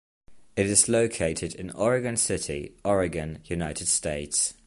It is located in Oregon City, Oregon, United States.